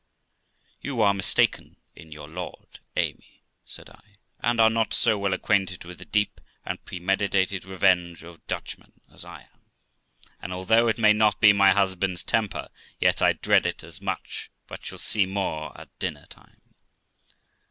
'You are mistaken in your lord, Amy', said I, 'and are not so well acquainted with the deep and premeditated revenge of Dutchmen as I am, and although it may not be my husband's temper, yet I dread it as much, but shall see more at dinner time.'